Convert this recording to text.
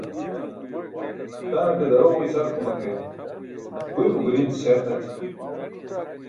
Daanaṭe daroġo isarkuma ke guymo guriin ce śar taći.